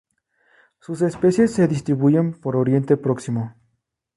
Sus especies se distribuyen por Oriente Próximo.